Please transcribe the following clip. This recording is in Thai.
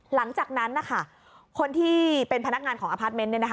หลังจากนั้นนะคะคนที่เป็นพนักงานของอพาร์ทเมนต์